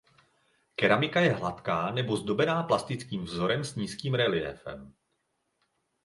Keramika je hladká nebo zdobená plastickým vzorem s nízkým reliéfem.